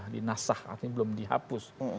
dinasah artinya belum dihapus